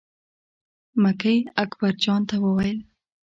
مکۍ اکبر جان ته وویل.